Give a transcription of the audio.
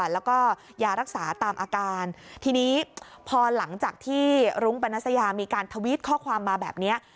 แล้วก็ยารักษาตามอาการทีนี้พอหลังจากที่รุ้งปนัสยามีการทวิตข้อความมาแบบนี้